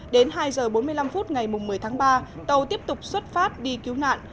đến hai h bốn mươi năm phút ngày một mươi tháng ba tàu tiếp tục xuất phát đi cứu nạn